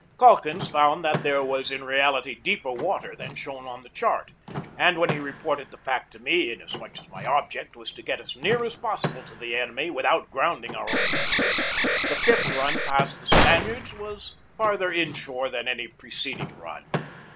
Calkins found that there was in reality deeper water than shown on the chart, and when he reported the fact to me, inasmuch as my object was to get as near as possible to the enemy without grounding our own vessels, the fifth run past the Spaniards was farther inshore than any preceding run.